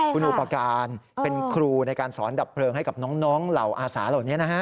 คุณอุปการณ์เป็นครูในการสอนดับเพลิงให้กับน้องเหล่าอาสาเหล่านี้นะฮะ